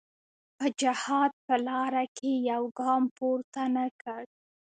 په جهاد په لاره کې یو ګام پورته نه کړ.